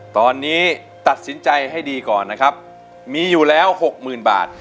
ตอนนี้ตัดสินใจให้ดีก่อนนะครับมีอยู่แล้วหกหมื่นบาท